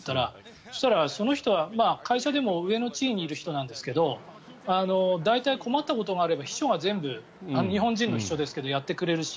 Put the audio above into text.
そしたら、その人は会社でも上の地位にいる人なんですけど大体、困ったことがあれば秘書が全部日本人の秘書ですけどやってくれるし。